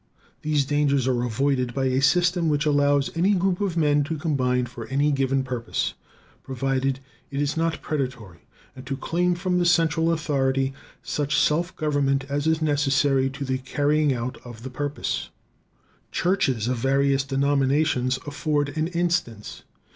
These dangers are avoided by a system which allows any group of men to combine for any given purpose, provided it is not predatory, and to claim from the central authority such self government as is necessary to the carrying out of the purpose. Churches of various denominations afford an instance.